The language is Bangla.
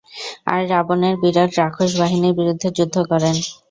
আর রাবণের বিরাট রাক্ষস বাহিনীর বিরুদ্ধে যুদ্ধ করেন।